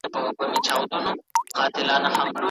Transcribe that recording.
د نورو خلګو مرسته به ستاسو زړه ته سکون ورکړي.